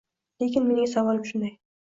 Lekin mening savolim shunday